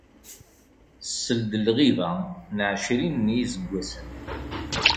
Seld lɣiba n εecrin n yiseggasen.